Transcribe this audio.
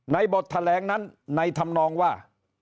บทแถลงนั้นในธรรมนองว่า